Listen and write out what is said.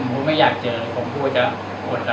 ก็ไม่อยากเจอ